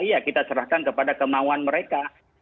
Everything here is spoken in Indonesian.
iya kita serahkan kepada kemauan mereka